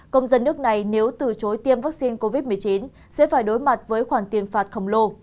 công dân nước này nếu từ chối tiêm vaccine covid một mươi chín sẽ phải đối mặt với khoản tiền phạt khổng lồ